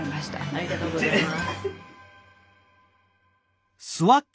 ありがとうございます。